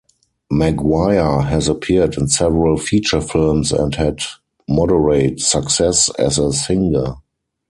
Maguire has appeared in several feature films and had moderate success as a singer.